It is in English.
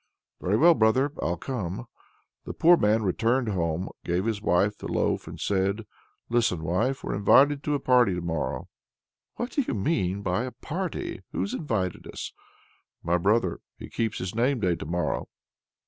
"Very well, brother! I'll come." The poor man returned home, gave his wife the loaf, and said: "Listen, wife! we're invited to a party to morrow." "What do you mean by a party? who's invited us?" "My brother! he keeps his name day to morrow."